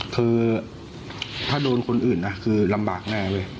คือถ้าโดนคนอื่นนะคือลำบากแน่เว้ย